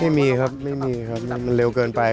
ไม่มีครับไม่มีครับมันเร็วเกินไป